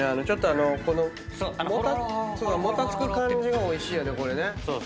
ちょっとこのもたつく感じがおいしいよねこれね。